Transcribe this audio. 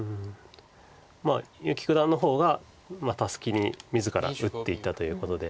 結城九段の方がタスキに自ら打っていったということで。